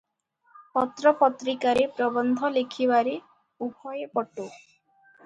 ପତ୍ର ପତ୍ରିକାରେ ପ୍ରବନ୍ଧ ଲେଖିବାରେ ଉଭୟେ ପଟୁ ।